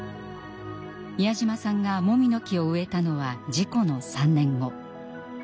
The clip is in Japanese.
美谷島さんがもみの木を植えたのは事故の３年後。